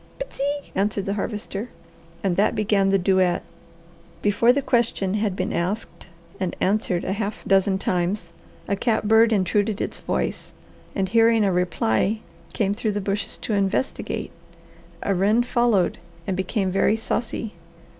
"Pt'see!" answer the Harvester. That began the duet. Before the question had been asked and answered a half dozen times a catbird intruded its voice and hearing a reply came through the bushes to investigate. A wren followed and became very saucy.